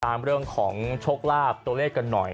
เรื่องของโชคลาภตัวเลขกันหน่อย